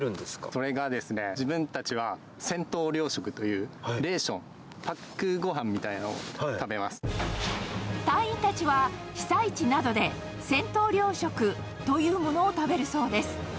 それがですね、自分たちは戦闘糧食というレーション、隊員たちは、被災地などで戦闘糧食というものを食べるそうです。